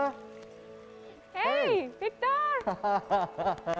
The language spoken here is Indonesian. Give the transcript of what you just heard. anda harus memilih kegiatan yang lebih menarik